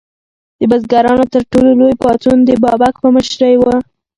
د بزګرانو تر ټولو لوی پاڅون د بابک په مشرۍ و.